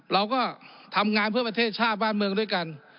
เราก็ทำงานเพื่อประเทศชาติบ้านเมืองด้วยกัน